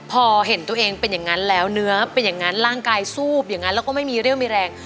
พอเห็นตัวเองเป็นอย่างนั้นแล้วเนื้อเป็นอย่างนั้นร่างกายซูบอย่างนั้นแล้วก็ไม่มีเรี่ยวมีแรง